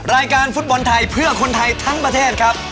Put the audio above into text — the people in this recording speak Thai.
รายการฟุตบอลไทยเพื่อคนไทยทั้งประเทศครับ